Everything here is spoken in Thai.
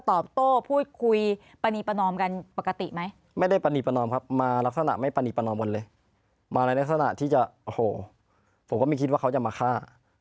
โอ้โหผมก็ไม่คิดว่าเขาจะมาฆ่า